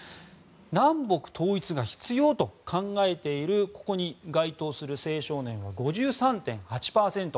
南北統一が必要と考えているここに該当する青少年は５３．８％。